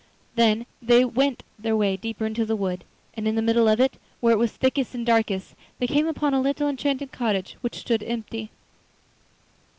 Then they went their way deeper into the wood, and in the middle of it, where it was thickest and darkest, they came upon a little enchanted house which stood empty.